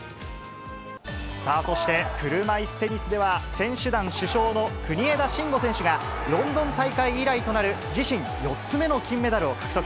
さあ、そして車いすテニスでは、選手団主将の国枝慎吾選手が、ロンドン大会以来となる自身４つ目の金メダルを獲得。